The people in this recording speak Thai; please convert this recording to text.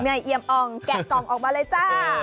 เอียมอ่องแกะกล่องออกมาเลยจ้า